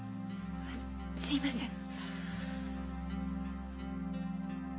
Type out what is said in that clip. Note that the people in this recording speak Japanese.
あっすいません。